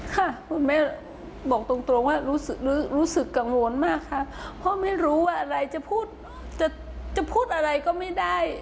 คุณแม่บอกตรงว่ารู้สึกกังวลมากค่ะเพราะไม่รู้ว่าอะไรจะพูดจะพูดอะไรก็ไม่ได้